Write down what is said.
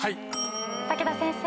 武田先生。